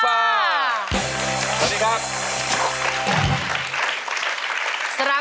สวัสดีครับ